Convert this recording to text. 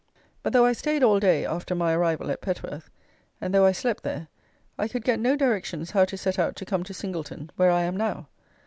But though I stayed all day (after my arrival) at Petworth, and though I slept there, I could get no directions how to set out to come to Singleton, where I am now.